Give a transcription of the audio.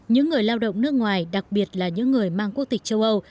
những người lao động nước ngoài đặc biệt là những người mang quốc tịch châu âu